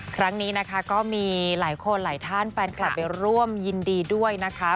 ครั้งนี้นะคะก็มีหลายคนหลายท่านแฟนคลับไปร่วมยินดีด้วยนะคะ